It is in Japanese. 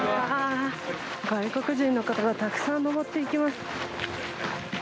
外国人の方がたくさん登っていきます。